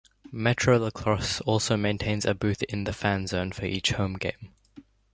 MetroLacrosse also maintains a booth in the Fan Zone for each home game.